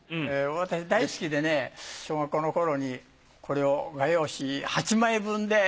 私大好きでね小学校の頃にこれを画用紙８枚分で。